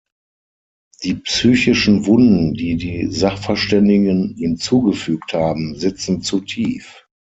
Die psychischen Wunden, die die Sachverständigen ihm zugefügt haben, sitzen zu tief.